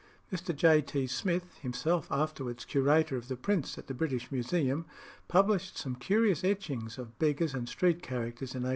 Mr. J. T. Smith, himself afterwards Curator of the Prints at the British Museum, published some curious etchings of beggars and street characters in 1815.